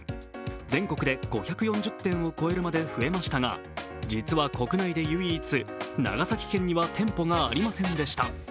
全国で５４０店を越えるまで増えましたが、実は国内で唯一、長崎県には店舗がありませんでした。